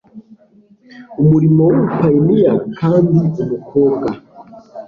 umurimo w'ubupayiniya kandi umukobwa